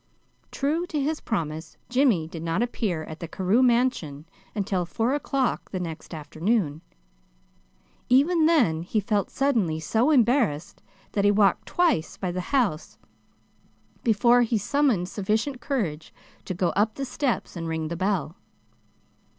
True to his promise, Jimmy did not appear at the Carew mansion until four o'clock the next afternoon. Even then he felt suddenly so embarrassed that he walked twice by the house before he summoned sufficient courage to go up the steps and ring the bell.